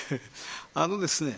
あのですね